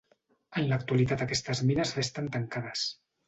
En l'actualitat aquestes mines resten tancades.